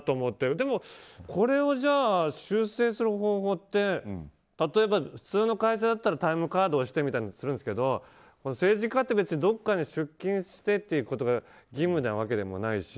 でも、これを修正する方法って例えば、普通の会社だったらタイムカードを押してとかするんですけど政治家ってどこかに出勤してってことが義務なわけでもないし。